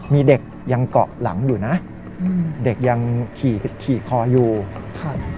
มีเด็กยังเกาะหลังอยู่นะอืมเด็กยังขี่ขี่คออยู่ครับ